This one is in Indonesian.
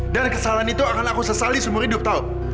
dan kesalahan itu akan aku sesali seumur hidup tahu